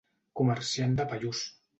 Comerciant de pallús.